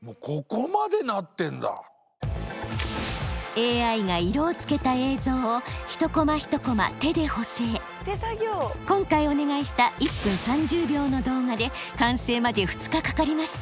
ＡＩが色をつけた映像を今回お願いした１分３０秒の動画で完成まで２日かかりました。